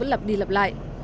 lặp đi lặp lại